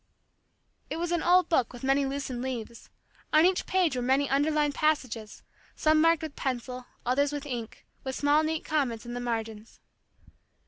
It was an old book with many loosened leaves. On each page were many underlined passages, some marked with pencil, others with ink, with small neat comments in the margins.